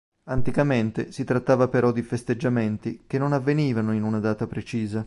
Anticamente, si trattava però di festeggiamenti che non avvenivano in una data precisa.